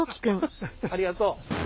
ありがとう。